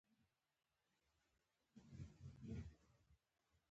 فېسبوک د ټولنې د پوهاوي وسیله ده